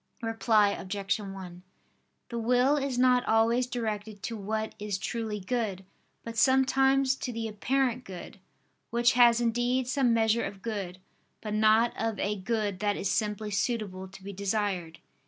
Reply Obj. 1: The will is not always directed to what is truly good, but sometimes to the apparent good; which has indeed some measure of good, but not of a good that is simply suitable to be desired.